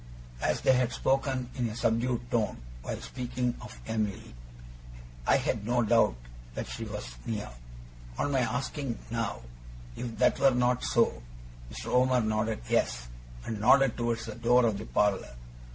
As they had spoken in a subdued tone, while speaking of Em'ly, I had no doubt that she was near. On my asking now, if that were not so, Mr. Omer nodded yes, and nodded towards the door of the parlour.